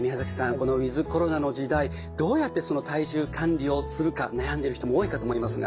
このウィズコロナの時代どうやって体重管理をするか悩んでる人も多いかと思いますが。